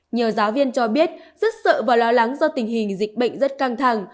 nhiều giáo viên cho biết rất sợ và lo lắng do tình hình dịch bệnh rất căng thẳng